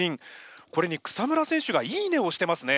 これに草村選手が「いいね！」を押してますね。